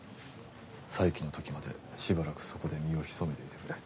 再起の時までしばらくそこで身を潜めていてくれ。